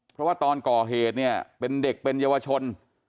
เพราะว่าตอนก่อเหตุเนี่ยเป็นเด็กเป็นเยาวชน